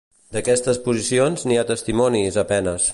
D'aquestes posicions n'hi ha testimonis a penes.